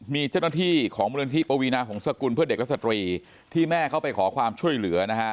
มีเจ้าหน้าที่ของมูลนิธิปวีนาหงษกุลเพื่อเด็กและสตรีที่แม่เขาไปขอความช่วยเหลือนะฮะ